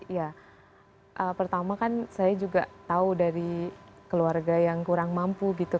ya pertama kan saya juga tahu dari keluarga yang kurang mampu gitu